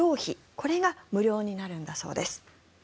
これが無料になるんだそうです。